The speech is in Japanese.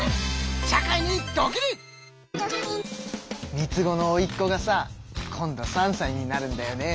３つ子のおいっ子がさ今度３さいになるんだよね。